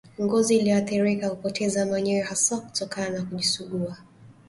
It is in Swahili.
Ngozi iliyoathirika hupoteza manyoya hasa kutokana na kujisugua